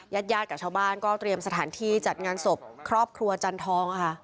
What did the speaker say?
ญาติญาติกับชาวบ้านก็เตรียมสถานที่จัดงานศพครอบครัวจันทองค่ะ